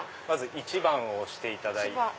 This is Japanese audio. １番を押していただいて。